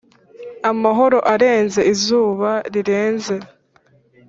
amahoro arenze izuba rirenze,